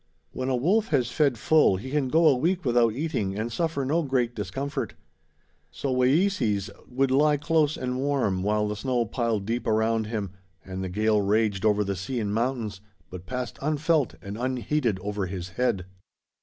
When a wolf has fed full he can go a week without eating and suffer no great discomfort. So Wayeeses would lie close and warm while the snow piled deep around him and the gale raged over the sea and mountains, but passed unfelt and unheeded over his head.